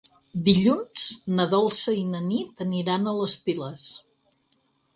Dilluns na Dolça i na Nit aniran a les Piles.